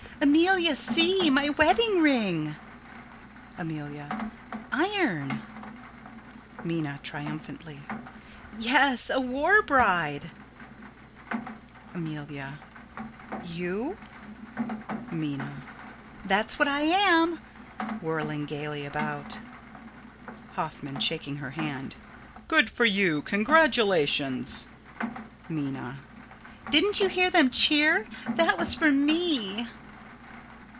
_] Amelia, see! My wedding ring! Amelia: Iron! Minna: [Triumphantly.] Yes; a war bride! Amelia: You? Minna: That's what I am. [Whirling gaily about.] Hoffman: [Shaking her hand.] Good for you! Congratulations! Minna: Didn't you hear them cheer? That was for me!